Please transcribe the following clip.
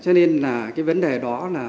cho nên cái vấn đề đó